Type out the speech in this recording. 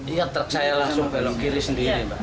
iya truk saya langsung belok kiri sendiri pak